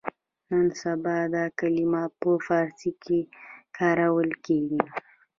نن سبا دا کلمه په فارسي کې کارول کېږي.